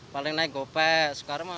paling naik gope sekarang mah